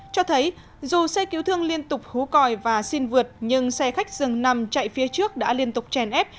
cho thấy dù xe cứu thương liên tục hú còi và xin vượt nhưng xe khách dường nằm chạy phía trước đã liên tục chèn ép